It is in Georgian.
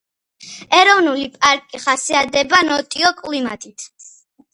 ეროვნული პარკი ხასიათდება ნოტიო კლიმატით.